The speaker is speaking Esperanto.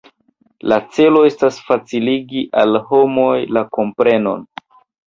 La celo estas faciligi al homoj la komprenon.